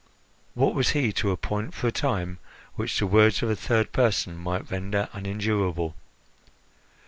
What was he to appoint for a time which the words of a third person might render unendurable?